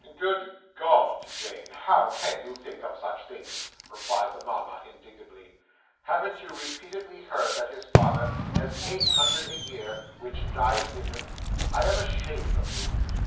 'Good God, Jane, how can you think of such things?' replied the mamma indignantly. 'Haven't you repeatedly heard that his father has eight hundred a year, which dies with him? I am ashamed of you.